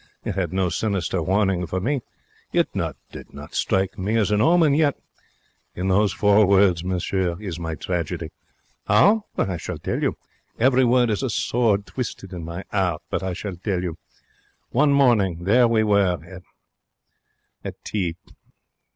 It had no sinister warning for me. It did not strike me as omen. Yet, in those four words, monsieur, is my tragedy. How? I shall tell you. Every word is a sword twisted in my 'eart, but I shall tell you. One afternoon we are at tea.